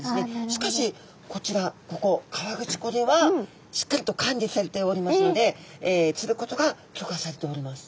しかしこちらここ河口湖ではしっかりと管理されておりますので釣ることが許可されております。